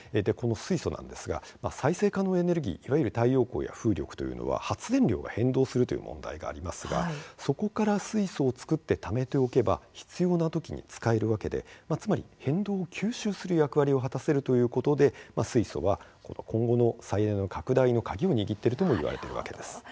この水素なんですが再生可能エネルギーいわゆる太陽光や風力というのは発電量が変動するという問題がありますがそこから水素を作ってためておけば、必要なときに使えるわけでつまり変動を吸収する役割を果たせるということで水素は今後の再エネの拡大の鍵を握っているともいわれているわけであります。